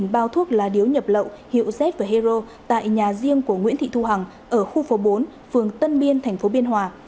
một bao thuốc lá điếu nhập lậu hiệu z và hero tại nhà riêng của nguyễn thị thu hằng ở khu phố bốn phường tân biên tp biên hòa